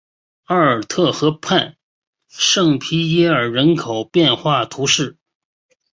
奥尔特河畔圣皮耶尔人口变化图示